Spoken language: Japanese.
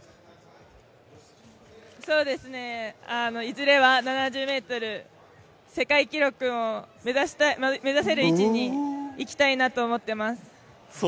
そうですね、いずれは７０ｍ、世界記録も目指せる位置にいきたいなと思っています。